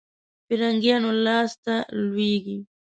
فرنګیانو لاسته ولوېږي.